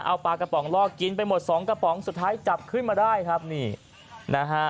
เอาปลากระป๋องลอกกินไปหมดสองกระป๋องสุดท้ายจับขึ้นมาได้ครับนี่นะฮะ